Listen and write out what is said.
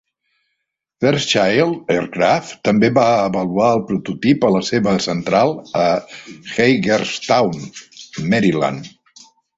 Fairchild Aircraft també va avaluar el prototip a la seva central a Hagerstown, Maryland.